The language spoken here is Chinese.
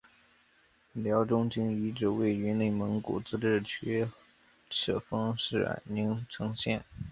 辽中京遗址位于内蒙古自治区赤峰市宁城县。